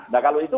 nah kalau itu